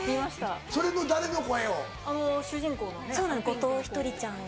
後藤ひとりちゃんを。